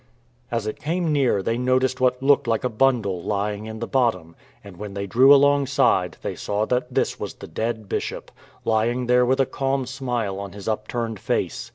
As it came near they noticed what looked like a bundle lying in the bottom, and when they drew alongside they saw that this was the dead Bishop, lying there with a calm smile on his upturned face.